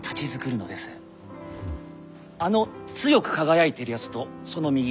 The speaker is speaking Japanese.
あの強く輝いているやつとその右。